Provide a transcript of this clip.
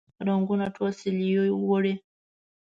رنګونه ټوله سیلیو وړي